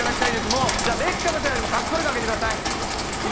もう、じゃあ、ベッカムさんよりもかっこよく上げてください。